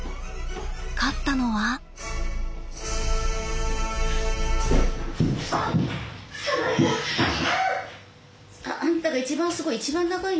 勝ったのは？あんたが一番すごい一番長いよ